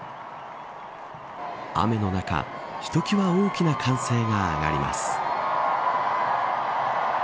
雨の中、ひときわ大きな歓声が上がります。